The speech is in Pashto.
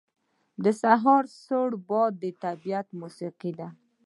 • د سهار سړی باد د طبیعت موسیقي ده.